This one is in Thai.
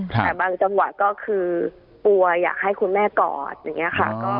แต่บางจังหวะก็คือกลัวอยากให้คุณแม่กอดอย่างนี้ค่ะ